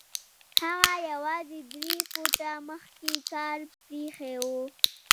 هغه يوازې درې فوټه مخکې کار پرېښی و.